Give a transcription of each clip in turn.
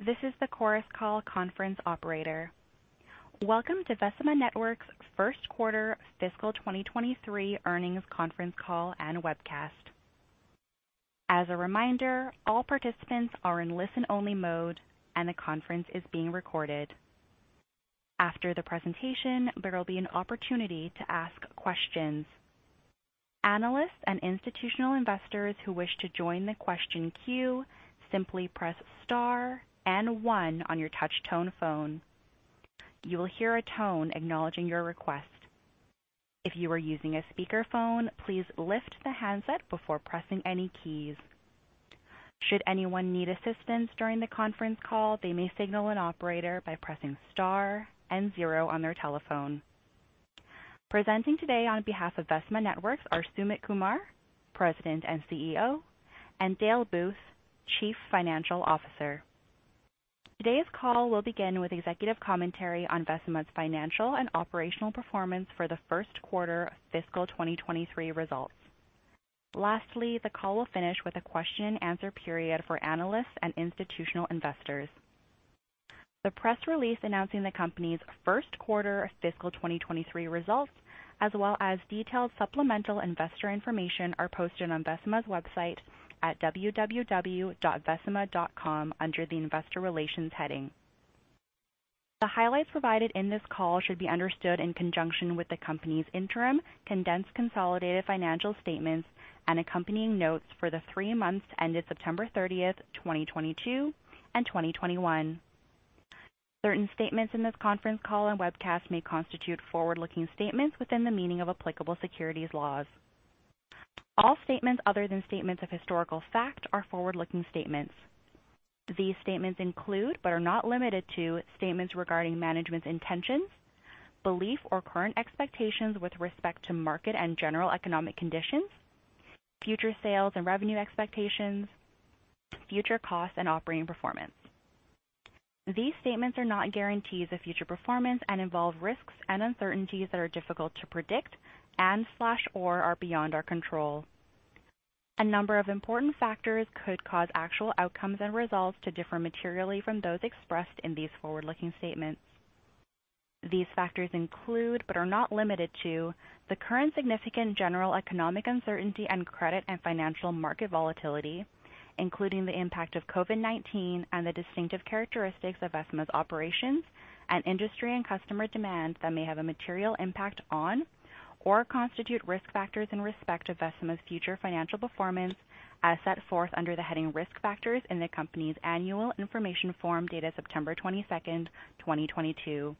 Hello, this is the Chorus Call conference operator. Welcome to Vecima Networks First Quarter Fiscal 2023 Earnings Conference Call and Webcast. As a reminder, all participants are in listen-only mode, and the conference is being recorded. After the presentation, there will be an opportunity to ask questions. Analysts and institutional investors who wish to join the question queue simply press star and one on your touch tone phone. You will hear a tone acknowledging your request. If you are using a speakerphone, please lift the handset before pressing any keys. Should anyone need assistance during the conference call, they may signal an operator by pressing star and zero on their telephone. Presenting today on behalf of Vecima Networks are Sumit Kumar, President and CEO, and Dale Booth, Chief Financial Officer. Today's call will begin with executive commentary on Vecima's financial and operational performance for the first quarter of fiscal 2023 results. Lastly, the call will finish with a question-and-answer period for analysts and institutional investors. The press release announcing the company's first quarter fiscal 2023 results, as well as detailed supplemental investor information, are posted on Vecima's website at www.vecima.com under the Investor Relations heading. The highlights provided in this call should be understood in conjunction with the company's interim, condensed consolidated financial statements and accompanying notes for the three months ended September 30, 2022, and 2021. Certain statements in this conference call and webcast may constitute forward-looking statements within the meaning of applicable securities laws. All statements other than statements of historical fact are forward-looking statements. These statements include, but are not limited to, statements regarding management's intentions, belief, or current expectations with respect to market and general economic conditions, future sales and revenue expectations, future costs and operating performance. These statements are not guarantees of future performance and involve risks and uncertainties that are difficult to predict and/or are beyond our control. A number of important factors could cause actual outcomes and results to differ materially from those expressed in these forward-looking statements. These factors include, but are not limited to, the current significant general economic uncertainty and credit and financial market volatility, including the impact of COVID-19 and the distinctive characteristics of Vecima's operations and industry and customer demand that may have a material impact on or constitute risk factors in respect of Vecima's future financial performance as set forth under the heading Risk Factors in the company's annual information form dated September 22, 2022.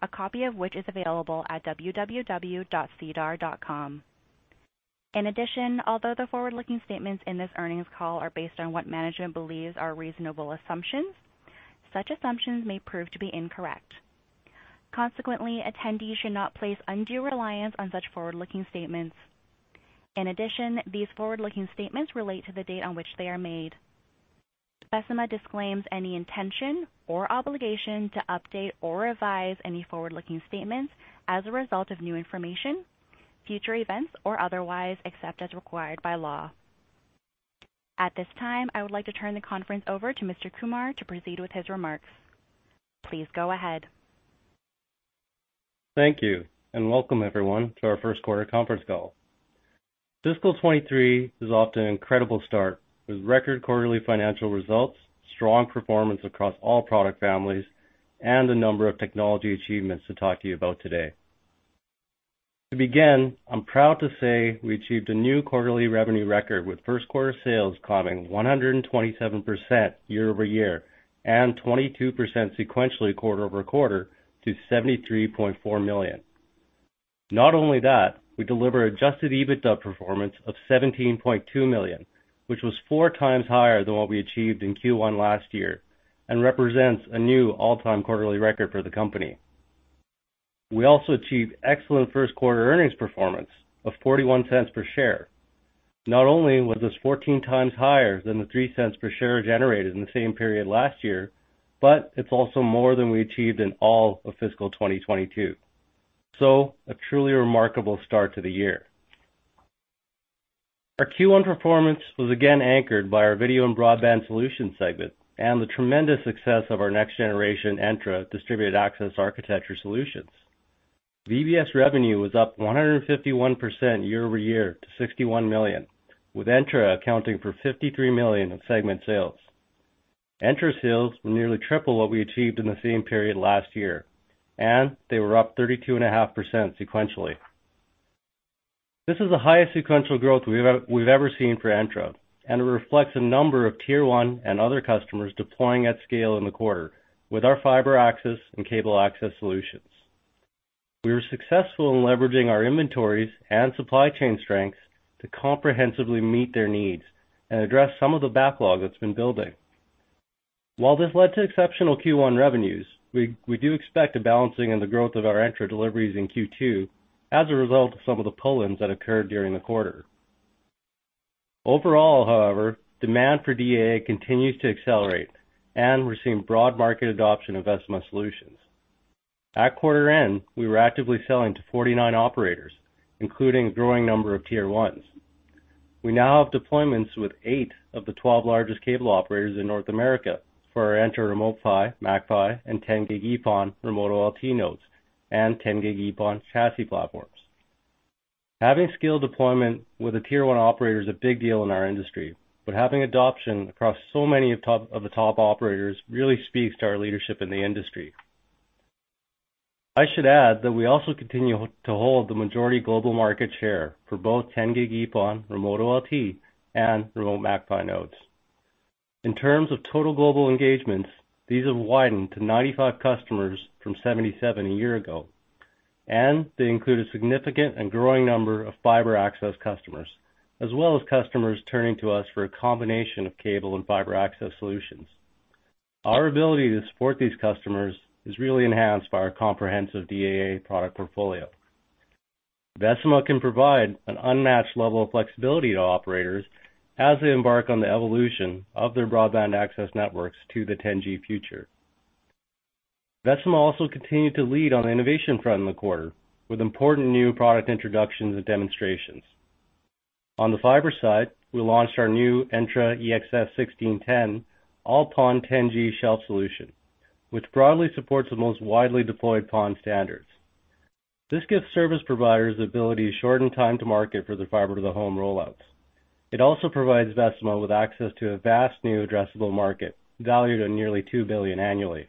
A copy of which is available at www.sedar.com. In addition, although the forward-looking statements in this earnings call are based on what management believes are reasonable assumptions, such assumptions may prove to be incorrect. Consequently, attendees should not place undue reliance on such forward-looking statements. In addition, these forward-looking statements relate to the date on which they are made. Vecima disclaims any intention or obligation to update or revise any forward-looking statements as a result of new information, future events, or otherwise, except as required by law. At this time, I would like to turn the conference over to Mr. Kumar to proceed with his remarks. Please go ahead. Thank you and welcome everyone to our first quarter conference call. Fiscal 2023 is off to an incredible start with record quarterly financial results, strong performance across all product families, and a number of technology achievements to talk to you about today. To begin, I'm proud to say we achieved a new quarterly revenue record with first quarter sales climbing 127% year-over-year and 22% sequentially quarter-over-quarter to 73.4 million. Not only that, we delivered adjusted EBITDA performance of 17.2 million, which was four times higher than what we achieved in Q1 last year and represents a new all-time quarterly record for the company. We also achieved excellent first quarter earnings performance of 0.41 per share. Not only was this 14x higher than the 0.03 per share generated in the same period last year, but it's also more than we achieved in all of fiscal 2022. A truly remarkable start to the year. Our Q1 performance was again anchored by our video and broadband solutions segment and the tremendous success of our next-generation Entra distributed access architecture solutions. VBS revenue was up 151% year-over-year to 61 million, with Entra accounting for 53 million in segment sales. Entra sales were nearly triple what we achieved in the same period last year, and they were up 32.5% sequentially. This is the highest sequential growth we've ever seen for Entra, and it reflects a number of tier one and other customers deploying at scale in the quarter with our fiber access and cable access solutions. We were successful in leveraging our inventories and supply chain strengths to comprehensively meet their needs and address some of the backlog that's been building. While this led to exceptional Q1 revenues, we do expect a balancing in the growth of our Entra deliveries in Q2 as a result of some of the pull-ins that occurred during the quarter. Overall, however, demand for DAA continues to accelerate, and we're seeing broad market adoption of Vecima solutions. At quarter end, we were actively selling to 49 operators, including a growing number of tier ones. We now have deployments with eight of the 12 largest cable operators in North America for our Entra Remote PHY, Remote MAC-PHY, and 10G-EPON Remote OLT nodes and 10G-EPON chassis platforms. Having successful deployment with a tier one operator is a big deal in our industry, but having adoption across so many of the top operators really speaks to our leadership in the industry. I should add that we also continue to hold the majority global market share for both 10G-EPON, Remote OLT, and Remote MAC-PHY nodes. In terms of total global engagements, these have widened to 95 customers from 77 a year ago, and they include a significant and growing number of fiber access customers, as well as customers turning to us for a combination of cable and fiber access solutions. Our ability to support these customers is really enhanced by our comprehensive DAA product portfolio. Vecima can provide an unmatched level of flexibility to operators as they embark on the evolution of their broadband access networks to the 10G future. Vecima also continued to lead on the innovation front in the quarter, with important new product introductions and demonstrations. On the fiber side, we launched our new Entra EXS1610, All-PON 10G shelf solution, which broadly supports the most widely deployed PON standards. This gives service providers the ability to shorten time to market for their fiber-to-the-home rollouts. It also provides Vecima with access to a vast new addressable market, valued at nearly 2 billion annually.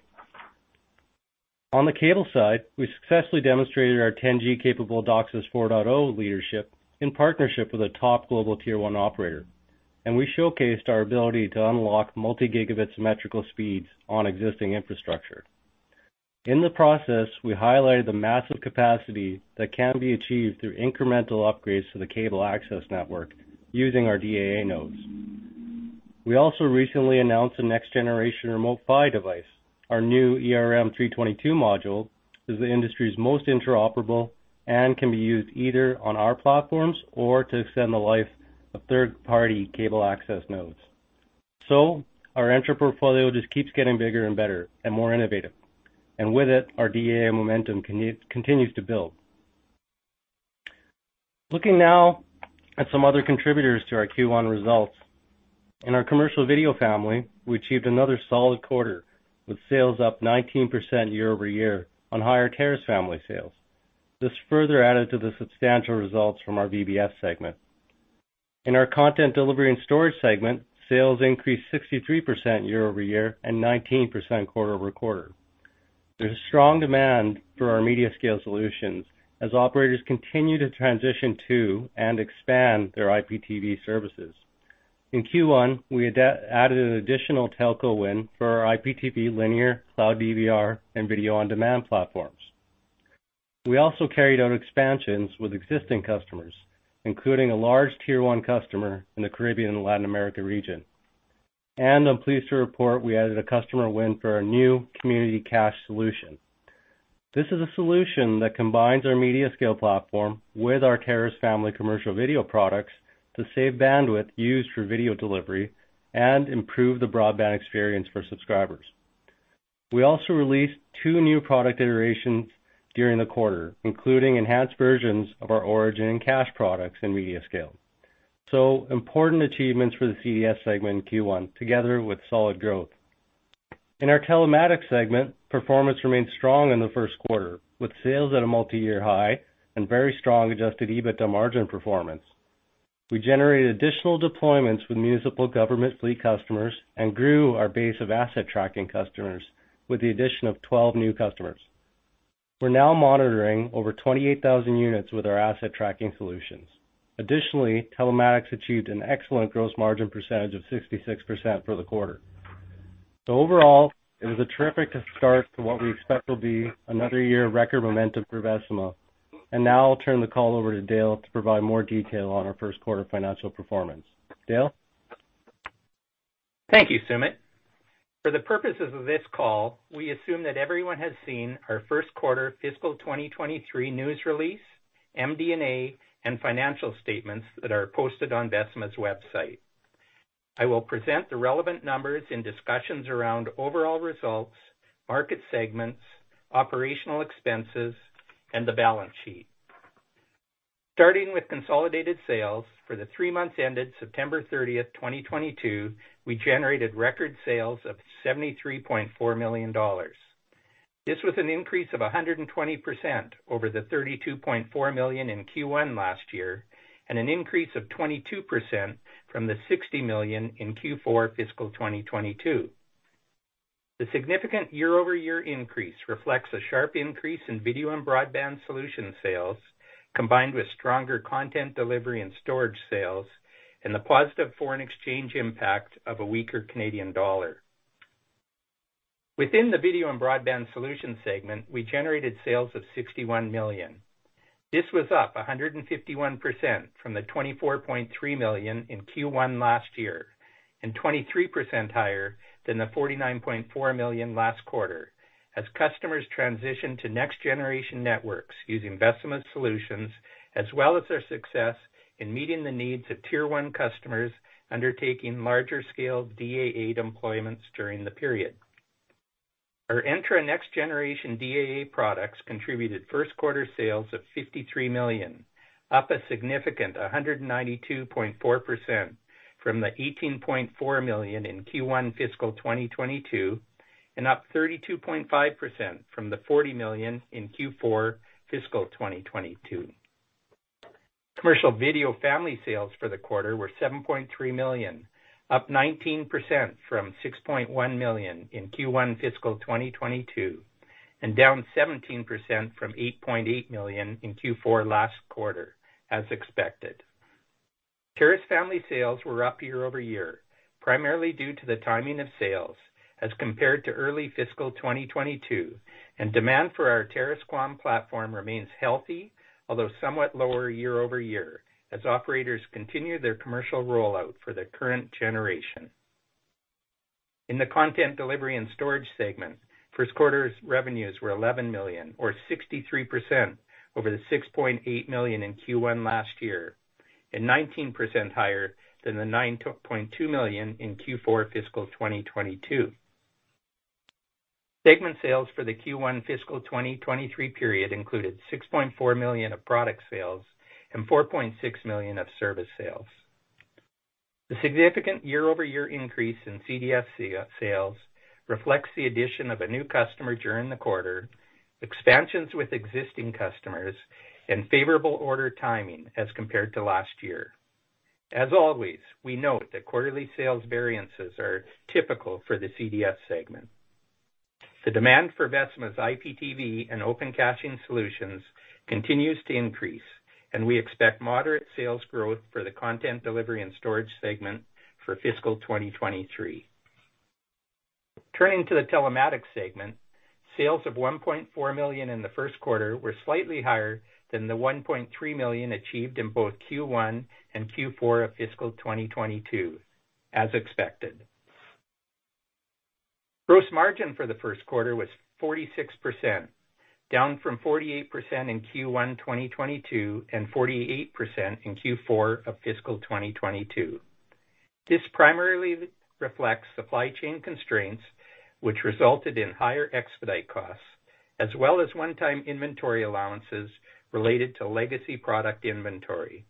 On the cable side, we successfully demonstrated our 10G capable DOCSIS 4.0 leadership in partnership with a top global tier one operator, and we showcased our ability to unlock multi-gigabit symmetrical speeds on existing infrastructure. In the process, we highlighted the massive capacity that can be achieved through incremental upgrades to the cable access network using our DAA nodes. We also recently announced the next generation Remote PHY device. Our new ERM322 module is the industry's most interoperable and can be used either on our platforms or to extend the life of third-party cable access nodes. Our Entra portfolio just keeps getting bigger and better and more innovative. With it, our DAA momentum continues to build. Looking now at some other contributors to our Q1 results. In our commercial video family, we achieved another solid quarter, with sales up 19% year-over-year on higher Terrace family sales. This further added to the substantial results from our VBS segment. In our content delivery and storage segment, sales increased 63% year-over-year and 19% quarter-over-quarter. There's a strong demand for our MediaScale solutions as operators continue to transition to and expand their IPTV services. In Q1, we added an additional telco win for our IPTV linear Cloud DVR and video-on-demand platforms. We also carried out expansions with existing customers, including a large tier one customer in the Caribbean and Latin America region. I'm pleased to report we added a customer win for our new Community Cache solution. This is a solution that combines our MediaScale platform with our Terrace family commercial video products to save bandwidth used for video delivery and improve the broadband experience for subscribers. We also released two new product iterations during the quarter, including enhanced versions of our Origin and Cache products in MediaScale. Important achievements for the CDS segment in Q1, together with solid growth. In our Telematics segment, performance remained strong in the first quarter, with sales at a multi-year high and very strong adjusted EBITDA margin performance. We generated additional deployments with municipal government fleet customers and grew our base of asset tracking customers with the addition of 12 new customers. We're now monitoring over 28,000 units with our asset tracking solutions. Additionally, Telematics achieved an excellent gross margin percentage of 66% for the quarter. Overall, it was a terrific start to what we expect will be another year of record momentum for Vecima. Now I'll turn the call over to Dale to provide more detail on our first quarter financial performance. Dale? Thank you, Sumit. For the purposes of this call, we assume that everyone has seen our first quarter fiscal 2023 news release, MD&A, and financial statements that are posted on Vecima's website. I will present the relevant numbers and discussions around overall results, market segments, operational expenses, and the balance sheet. Starting with consolidated sales, for the three months ended September 30, 2022, we generated record sales of 73.4 million dollars. This was an increase of 120% over the 32.4 million in Q1 last year and an increase of 22% from the 60 million in Q4 fiscal 2022. The significant year-over-year increase reflects a sharp increase in video and broadband solution sales, combined with stronger content delivery and storage sales and the positive foreign exchange impact of a weaker Canadian dollar. Within the video and broadband solutions segment, we generated sales of 61 million. This was up 151% from the 24.3 million in Q1 last year and 23% higher than the 49.4 million last quarter as customers transition to next-generation networks using Vecima solutions as well as their success in meeting the needs of tier one customers undertaking larger scale DAA deployments during the period. Our Entra next generation DAA products contributed first quarter sales of 53 million, up a significant 192.4% from the 18.4 million in Q1 fiscal 2022, and up 32.5% from the 40 million in Q4 fiscal 2022. Commercial video family sales for the quarter were 7.3 million, up 19% from 6.1 million in Q1 fiscal 2022, and down 17% from 8.8 million in Q4 last quarter as expected. Terrace family sales were up year-over-year, primarily due to the timing of sales as compared to early fiscal 2022, and demand for our Terrace QAM platform remains healthy, although somewhat lower year-over-year as operators continue their commercial rollout for the current generation. In the content delivery and storage segment, first quarter's revenues were 11 million, or 63% over the 6.8 million in Q1 last year, and 19% higher than the 9.2 million in Q4 fiscal 2022. Segment sales for the Q1 fiscal 2023 period included 6.4 million of product sales and 4.6 million of service sales. The significant year-over-year increase in CDS sales reflects the addition of a new customer during the quarter, expansions with existing customers, and favorable order timing as compared to last year. As always, we note that quarterly sales variances are typical for the CDS segment. The demand for Vecima's IPTV and Open Caching solutions continues to increase, and we expect moderate sales growth for the content delivery and storage segment for fiscal 2023. Turning to the Telematics segment, sales of 1.4 million in the first quarter were slightly higher than the 1.3 million achieved in both Q1 and Q4 of fiscal 2022, as expected. Gross margin for the first quarter was 46%, down from 48% in Q1 2022, and 48% in Q4 of fiscal 2022. This primarily reflects supply chain constraints, which resulted in higher expedite costs as well as one-time inventory allowances related to legacy product inventory.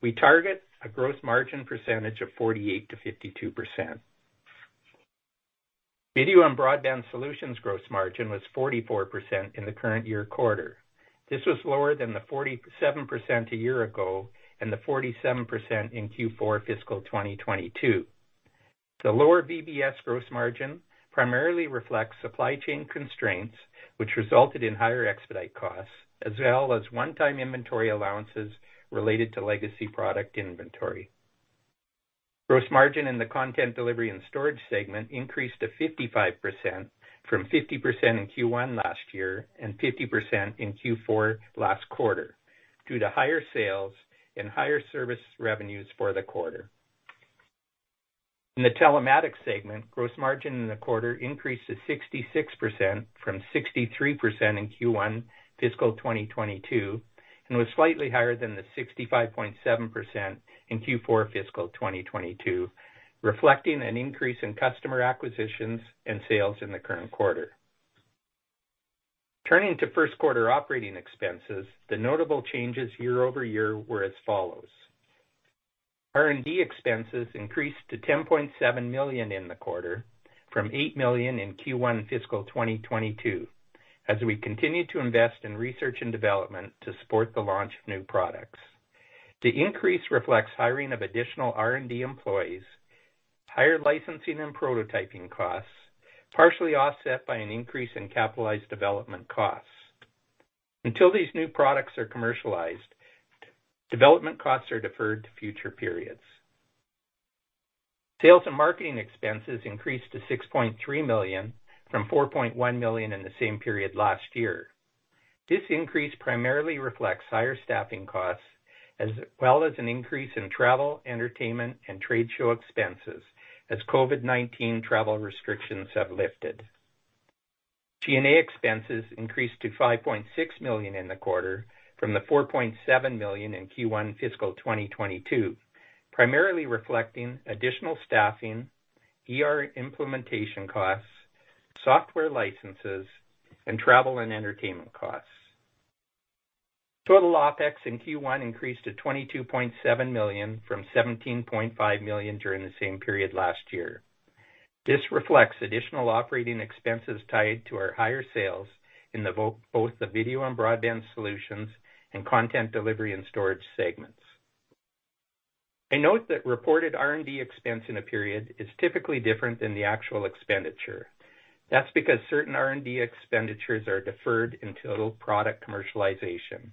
We target a gross margin percentage of 48%-52%. Video and broadband solutions gross margin was 44% in the current year quarter. This was lower than the 47% a year ago and the 47% in Q4 fiscal 2022. The lower VBS gross margin primarily reflects supply chain constraints, which resulted in higher expedite costs as well as one-time inventory allowances related to legacy product inventory. Gross margin in the content delivery and storage segment increased to 55% from 50% in Q1 last year and 50% in Q4 last quarter, due to higher sales and higher service revenues for the quarter. In the Telematics segment, gross margin in the quarter increased to 66% from 63% in Q1 fiscal 2022, and was slightly higher than the 65.7% in Q4 fiscal 2022, reflecting an increase in customer acquisitions and sales in the current quarter. Turning to first quarter operating expenses, the notable changes year-over-year were as follows. R&D expenses increased to 10.7 million in the quarter from 8 million in Q1 fiscal 2022 as we continue to invest in research and development to support the launch of new products. The increase reflects hiring of additional R&D employees, higher licensing and prototyping costs, partially offset by an increase in capitalized development costs. Until these new products are commercialized, development costs are deferred to future periods. Sales and marketing expenses increased to 6.3 million from 4.1 million in the same period last year. This increase primarily reflects higher staffing costs as well as an increase in travel, entertainment, and trade show expenses as COVID-19 travel restrictions have lifted. G&A expenses increased to 5.6 million in the quarter from 4.7 million in Q1 fiscal 2022, primarily reflecting additional staffing, ERP implementation costs, software licenses, and travel and entertainment costs. Total OpEx in Q1 increased to 22.7 million from 17.5 million during the same period last year. This reflects additional operating expenses tied to our higher sales in both the video and broadband solutions and content delivery and storage segments. I note that reported R&D expense in a period is typically different than the actual expenditure. That's because certain R&D expenditures are deferred until product commercialization.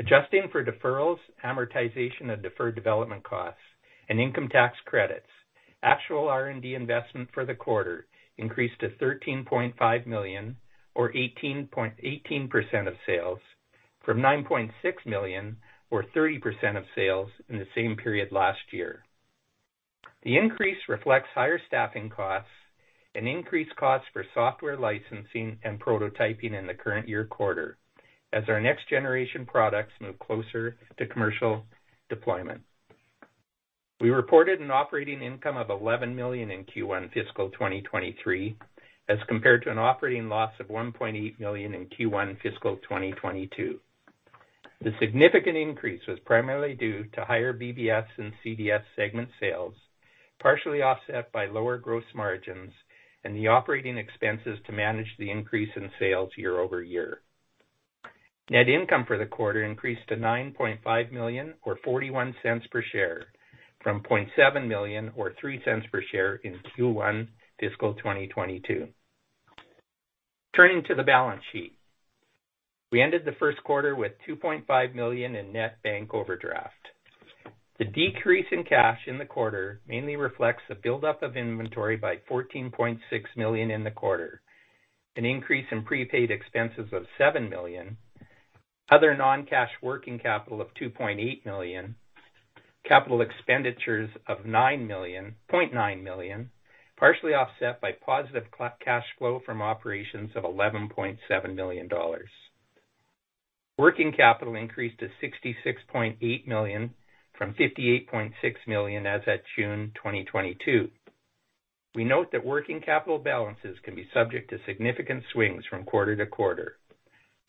Adjusting for deferrals, amortization of deferred development costs and income tax credits, actual R&D investment for the quarter increased to 13.5 million or 18% of sales from 9.6 million or 30% of sales in the same period last year. The increase reflects higher staffing costs and increased costs for software licensing and prototyping in the current year quarter as our next generation products move closer to commercial deployment. We reported an operating income of 11 million in Q1 fiscal 2023, as compared to an operating loss of 1.8 million in Q1 fiscal 2022. The significant increase was primarily due to higher VBS and CDS segment sales, partially offset by lower gross margins and the operating expenses to manage the increase in sales year over year. Net income for the quarter increased to 9.5 million or 0.41 per share from 0.7 million or 0.03 per share in Q1 fiscal 2022. Turning to the balance sheet. We ended the first quarter with 2.5 million in net bank overdraft. The decrease in cash in the quarter mainly reflects the buildup of inventory by 14.6 million in the quarter, an increase in prepaid expenses of 7 million, other non-cash working capital of 2.8 million, capital expenditures of 9.9 million, partially offset by positive cash flow from operations of $11.7 million. Working capital increased to 66.8 million from 58.6 million as at June 2022. We note that working capital balances can be subject to significant swings from quarter to quarter.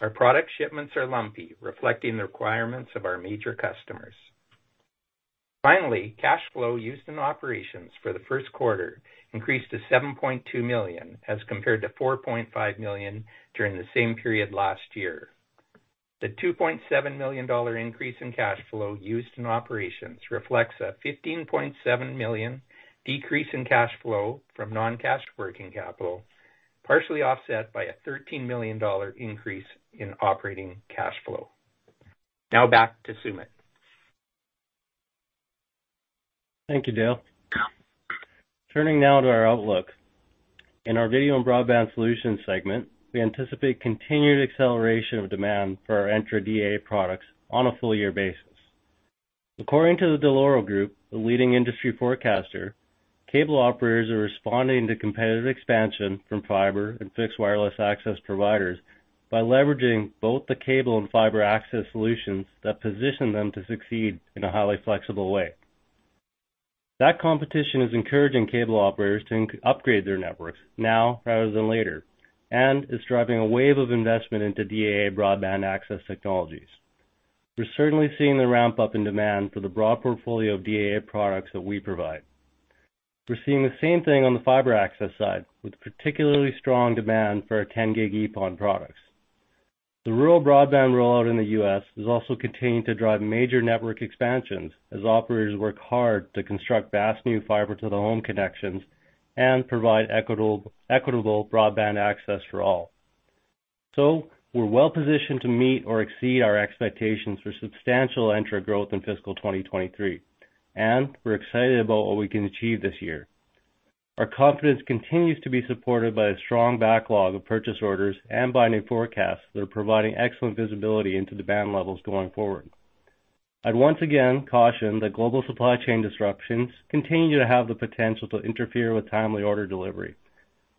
Our product shipments are lumpy, reflecting the requirements of our major customers. Finally, cash flow used in operations for the first quarter increased to 7.2 million as compared to 4.5 million during the same period last year. The CAD 2.7 million increase in cash flow used in operations reflects a 15.7 million decrease in cash flow from non-cash working capital, partially offset by a 13 million dollar increase in operating cash flow. Now back to Sumit Kumar. Thank you, Dale. Turning now to our outlook. In our video and broadband solutions segment, we anticipate continued acceleration of demand for our Entra DAA products on a full year basis. According to the Dell'Oro Group, a leading industry forecaster, cable operators are responding to competitive expansion from fiber and fixed wireless access providers by leveraging both the cable and fiber access solutions that position them to succeed in a highly flexible way. That competition is encouraging cable operators to upgrade their networks now rather than later, and is driving a wave of investment into DAA broadband access technologies. We're certainly seeing the ramp up in demand for the broad portfolio of DAA products that we provide. We're seeing the same thing on the fiber access side, with particularly strong demand for our 10G-EPON products. The rural broadband rollout in the U.S. is also continuing to drive major network expansions as operators work hard to construct vast new fiber to the home connections and provide equitable broadband access for all. We're well positioned to meet or exceed our expectations for substantial Entra growth in fiscal 2023, and we're excited about what we can achieve this year. Our confidence continues to be supported by a strong backlog of purchase orders and binding forecasts that are providing excellent visibility into demand levels going forward. I'd once again caution that global supply chain disruptions continue to have the potential to interfere with timely order delivery,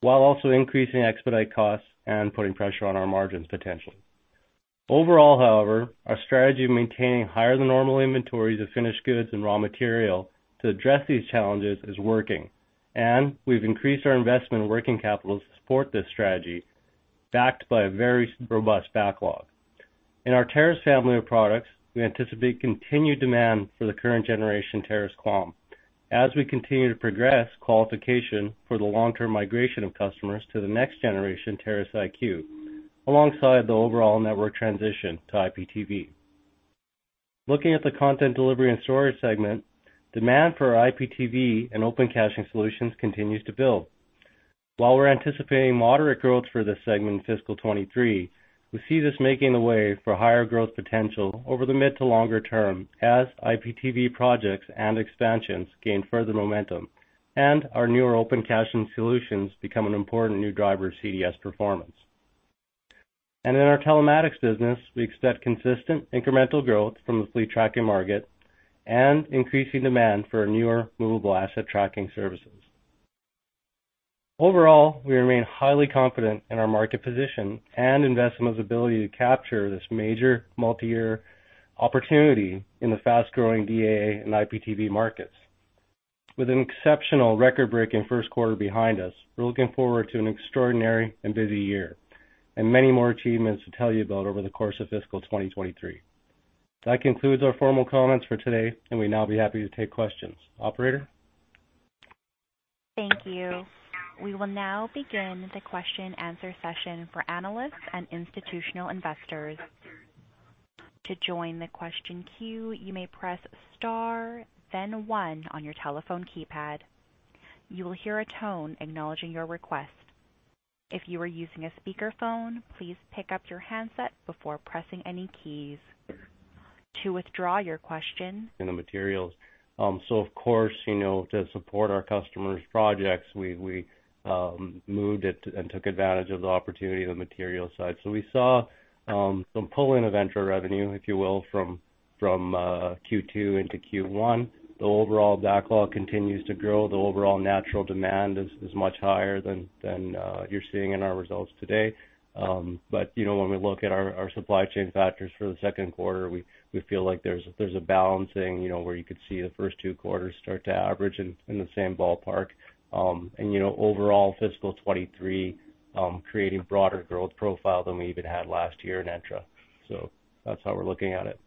while also increasing expedite costs and putting pressure on our margins potentially. Overall, however, our strategy of maintaining higher than normal inventories of finished goods and raw material to address these challenges is working, and we've increased our investment in working capital to support this strategy, backed by a very robust backlog. In our Terrace family of products, we anticipate continued demand for the current generation Terrace QAM. As we continue to progress qualification for the long-term migration of customers to the next generation Terrace IQ, alongside the overall network transition to IPTV. Looking at the content delivery and storage segment, demand for our IPTV and Open Caching solutions continues to build. While we're anticipating moderate growth for this segment in fiscal 2023, we see this making the way for higher growth potential over the mid to longer term as IPTV projects and expansions gain further momentum and our newer Open Caching solutions become an important new driver of CDS performance. In our Telematics business, we expect consistent incremental growth from the fleet tracking market and increasing demand for newer movable asset tracking services. Overall, we remain highly confident in our market position and Entra's ability to capture this major multi-year opportunity in the fast-growing DAA and IPTV markets. With an exceptional record-breaking first quarter behind us, we're looking forward to an extraordinary and busy year and many more achievements to tell you about over the course of fiscal 2023. That concludes our formal comments for today, and we'd now be happy to take questions. Operator? Thank you. We will now begin the question-answer session for analysts and institutional investors. To join the question queue, you may press star then one on your telephone keypad. You will hear a tone acknowledging your request. If you are using a speakerphone, please pick up your handset before pressing any keys. To withdraw your question. In the materials. Of course, you know, to support our customers' projects, we moved it and took advantage of the opportunity on the material side. We saw some pulling of Entra revenue, if you will, from Q2 into Q1. The overall backlog continues to grow. The overall natural demand is much higher than you're seeing in our results today. You know, when we look at our supply chain factors for the second quarter, we feel like there's a balancing, you know, where you could see the first two quarters start to average in the same ballpark. You know, overall fiscal 2023 creating broader growth profile than we even had last year in Entra. That's how we're looking at it.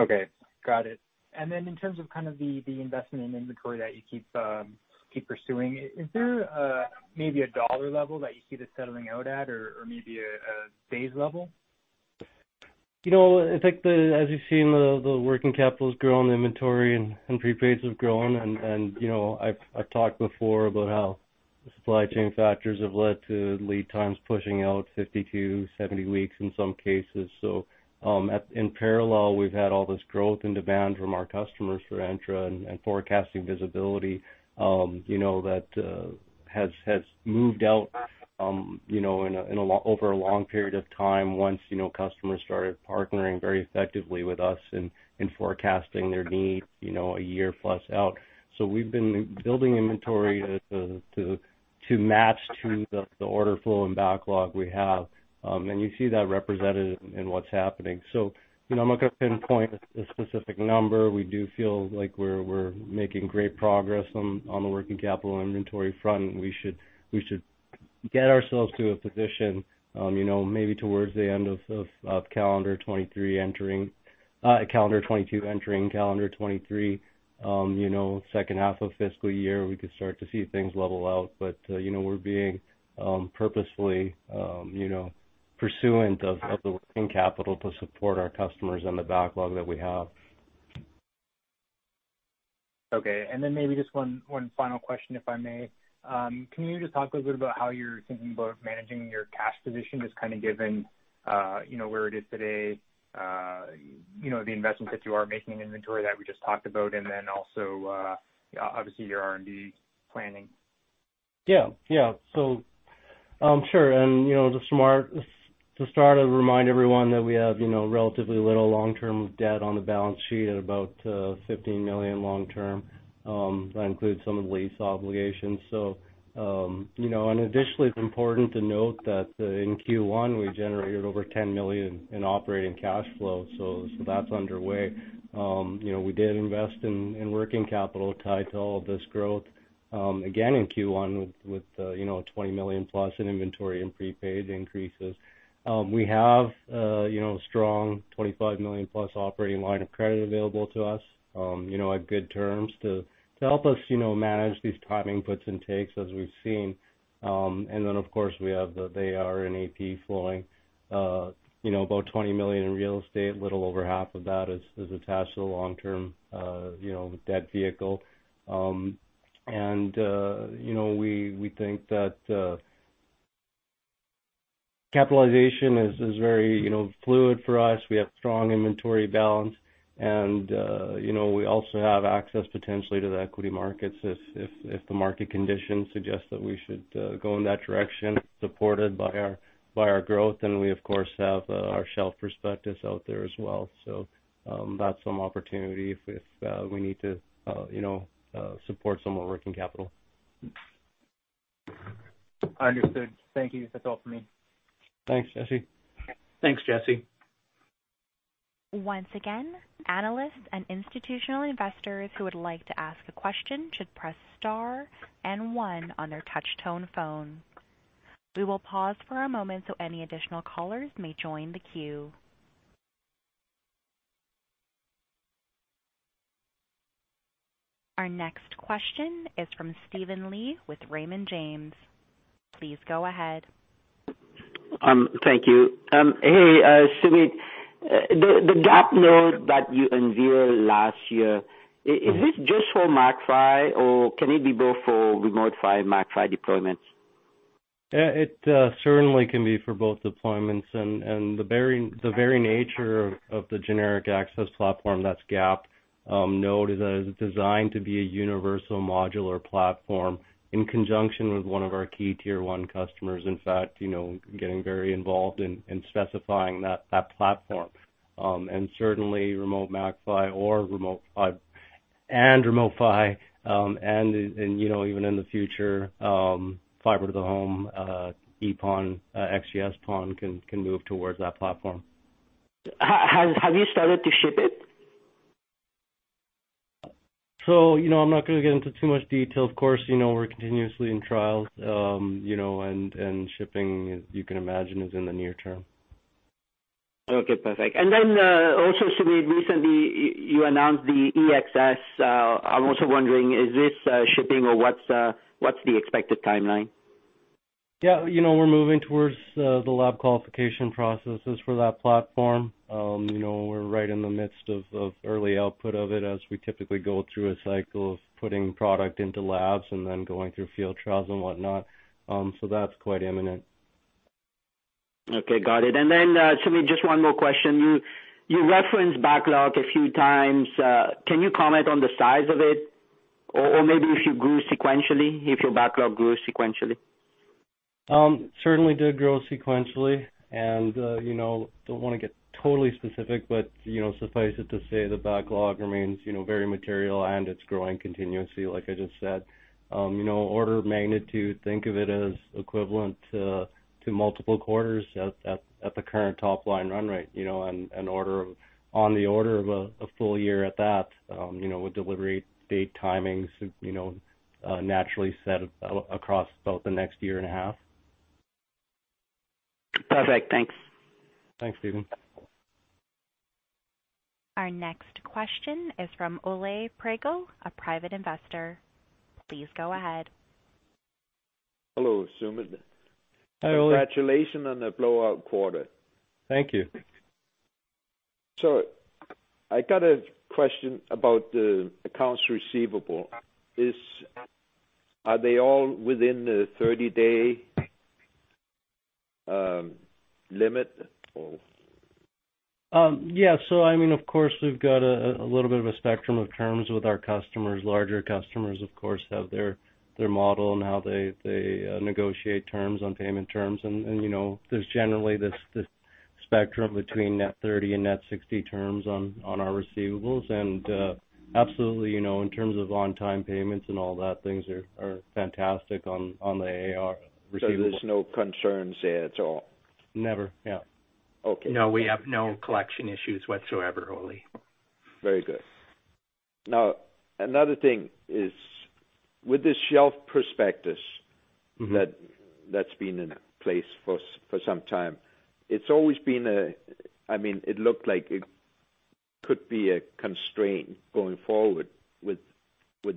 Okay. Got it. In terms of kind of the investment in inventory that you keep pursuing, is there maybe a dollar level that you see this settling out at or maybe a phase level? You know, I think as you've seen, the working capital has grown, inventory and prepaids have grown and, you know, I've talked before about how the supply chain factors have led to lead times pushing out 50-70 weeks in some cases. In parallel, we've had all this growth and demand from our customers for Entra and forecasting visibility, you know, that has moved out, you know, over a long period of time once, you know, customers started partnering very effectively with us in forecasting their needs, you know, a year plus out. We've been building inventory to match to the order flow and backlog we have. You see that represented in what's happening. You know, I'm not gonna pinpoint a specific number. We do feel like we're making great progress on the working capital inventory front, and we should get ourselves to a position you know, maybe towards the end of calendar 2022 entering calendar 2023, you know, second half of fiscal year, we could start to see things level out. You know, we're being purposefully you know, pursuant of the working capital to support our customers and the backlog that we have. Okay. Maybe just one final question, if I may. Can you just talk a little bit about how you're thinking about managing your cash position, just kind of given, you know, where it is today, you know, the investments that you are making in inventory that we just talked about, and then also, obviously your R&D planning? Sure. To start, I'd remind everyone that we have, you know, relatively little long-term debt on the balance sheet at about 15 million long-term. That includes some of the lease obligations. You know, and additionally it's important to note that in Q1 we generated over 10 million in operating cash flow. That's underway. You know, we did invest in working capital tied to all of this growth, again in Q1 with, you know, 20 million+ in inventory and prepaid increases. We have, you know, strong 25 million plus operating line of credit available to us, you know, at good terms to help us, you know, manage these timing puts and takes as we've seen. Of course, we have the AR and AP flowing, you know, about 20 million in real estate, a little over half of that is attached to the long-term debt vehicle. You know, we think that capitalization is very fluid for us. We have strong inventory balance and, you know, we also have access potentially to the equity markets if the market conditions suggest that we should go in that direction supported by our growth. We of course have our shelf prospectus out there as well. That's some opportunity if we need to, you know, support some more working capital. Understood. Thank you. That's all for me. Thanks, Jesse. Thanks, Jesse. Once again, analysts and institutional investors who would like to ask a question should press star and one on their touch tone phone. We will pause for a moment so any additional callers may join the queue. Our next question is from Steven Lee with Raymond James. Please go ahead. Thank you. Hey, Sumit. The GAP node that you unveiled last year, is this just for MAC-PHY or can it be both for Remote PHY and MAC-PHY deployments? Yeah, it certainly can be for both deployments and the very nature of the Generic Access Platform, that's GAP, node is that it's designed to be a universal modular platform in conjunction with one of our key tier one customers. In fact, you know, getting very involved in specifying that platform. Certainly Remote MAC-PHY or Remote PHY and Remote PHY, you know, even in the future, Fiber to the Home, EPON, XGS-PON can move towards that platform. Have you started to ship it? You know, I'm not gonna get into too much detail. Of course, you know, we're continuously in trials, you know, and shipping, as you can imagine, is in the near term. Okay, perfect. Also, Sumit, recently you announced the EXS. I'm also wondering, is this shipping or what's the expected timeline? Yeah. You know, we're moving towards the lab qualification processes for that platform. You know, we're right in the midst of early output of it as we typically go through a cycle of putting product into labs and then going through field trials and whatnot. That's quite imminent. Okay, got it. Sumit, just one more question. You referenced backlog a few times. Can you comment on the size of it or maybe if you grew sequentially, if your backlog grew sequentially? Certainly did grow sequentially and, you know, don't wanna get totally specific, but, you know, suffice it to say the backlog remains, you know, very material and it's growing continuously like I just said. You know, order of magnitude, think of it as equivalent to multiple quarters at the current top line run rate, you know, and on the order of a full year at that, you know, with delivery date timings, you know, naturally set across both the next year and a half. Perfect. Thanks. Thanks, Steven. Our next question is from Ole Pregel, a private investor. Please go ahead. Hello, Sumit. Hi, Ole. Congratulations on the blowout quarter. Thank you. I got a question about the accounts receivable. Are they all within the 30-day limit or? I mean, of course, we've got a little bit of a spectrum of terms with our customers. Larger customers, of course, have their model and how they negotiate terms on payment terms. You know, there's generally this spectrum between Net 30 and Net 60 terms on our receivables. Absolutely, you know, in terms of on-time payments and all that, things are fantastic on the AR receivable. There's no concerns there at all? Never. Yeah. Okay. No, we have no collection issues whatsoever, Ole. Very good. Now, another thing is with the shelf prospectus. Mm-hmm. That's been in place for some time. It's always been a I mean, it looked like it could be a constraint going forward with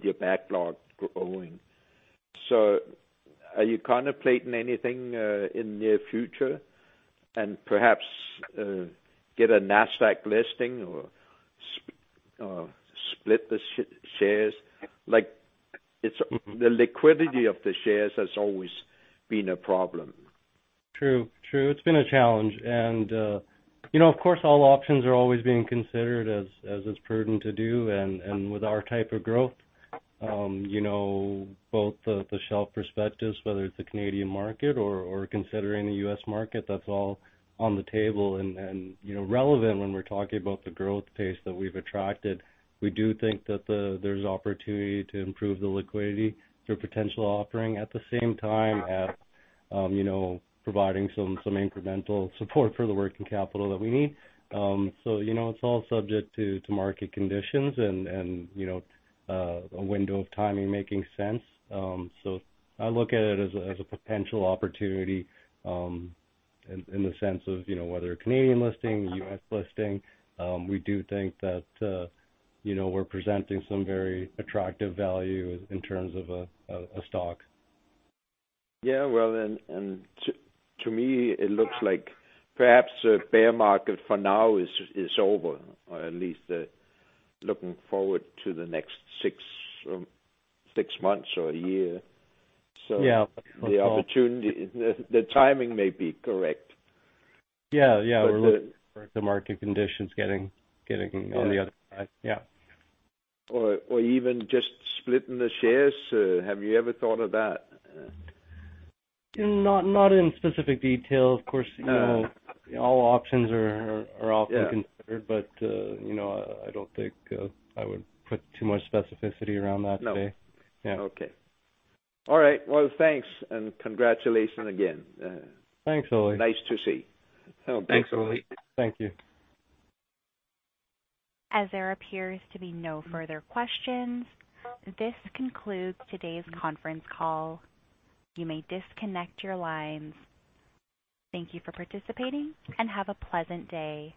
your backlog growing. Are you contemplating anything in near future and perhaps get a NASDAQ listing or split the shares? Like, it's the liquidity of the shares has always been a problem. True. True. It's been a challenge. You know, of course, all options are always being considered as is prudent to do. With our type of growth, you know, both the shelf prospectus, whether it's the Canadian market or considering the U.S. market, that's all on the table, you know, relevant when we're talking about the growth pace that we've attracted. We do think that there's opportunity to improve the liquidity through potential offering at the same time as, you know, providing some incremental support for the working capital that we need. You know, it's all subject to market conditions and a window of timing making sense. I look at it as a potential opportunity in the sense of, you know, whether a Canadian listing, a U.S. listing. We do think that, you know, we're presenting some very attractive value in terms of a stock. Yeah. Well then, to me it looks like perhaps a bear market for now is over or at least looking forward to the next six months or a year. Yeah. The opportunity, the timing may be correct. Yeah. Yeah. We're looking for the market conditions getting on the other side. Yeah. Even just splitting the shares. Have you ever thought of that? Not in specific detail. Of course. No. You know, all options are often considered. Yeah. You know, I don't think I would put too much specificity around that today. No. Yeah. Okay. All right. Well, thanks, and congratulations again. Thanks, Ole. Nice to see. Thanks, Ole. Thank you. As there appears to be no further questions, this concludes today's conference call. You may disconnect your lines. Thank you for participating, and have a pleasant day.